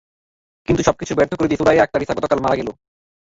কিন্তু সবকিছু ব্যর্থ করে দিয়ে সুরাইয়া আক্তার রিসা গতকাল মারা গেল।